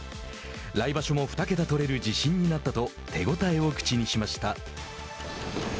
「来場所も２桁取れる自信になった」と手応えを口にしました。